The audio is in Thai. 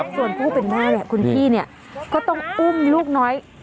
ส่วนผู้เป็นแม่แหละคุณพี่ก็ต้องอุ้มลูกน้อย